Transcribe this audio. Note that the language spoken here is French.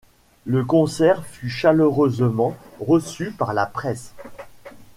Le concert fut chaleureusement reçu par la presse.